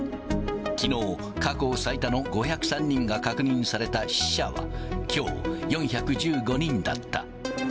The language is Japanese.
きのう、過去最多の５０３人が確認された死者はきょう、４１５人だった。